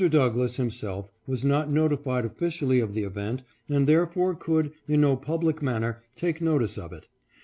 Douglass himself was not notified officially of the event, and therefore could, in no public manner, take notice of it.